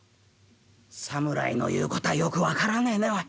「侍の言う事はよく分からねえねおい。